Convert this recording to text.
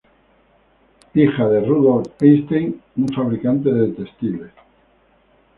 Hija de Rudolf Einstein, un fabricante de textiles.